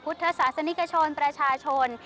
พุทธศาสนิกชนประชาชน